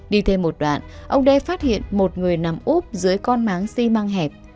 đi thêm một đoạn ông đê phát hiện một người nằm úp dưới con máng xi măng hẹp